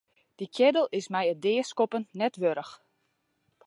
Dy keardel is my it deaskoppen net wurdich.